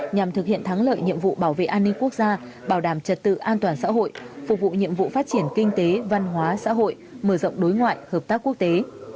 nhằm thực hiện thắng lợi nhiệm vụ bảo vệ an ninh quốc gia bảo đảm trật tự an toàn xã hội phục vụ nhiệm vụ phát triển kinh tế văn hóa xã hội mở rộng đối ngoại hợp tác quốc tế